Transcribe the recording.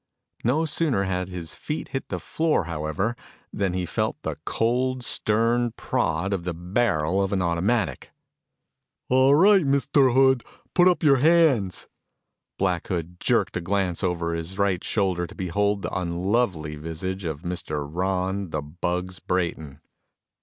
No sooner had his feet hit the floor, however, than he felt the cold, stern prod of the barrel of an automatic. "All right, Mr. Hood, put up your hands!" Black Hood jerked a glance over his right shoulder to behold the unlovely visage of Mr. Ron "The Bugs" Brayton.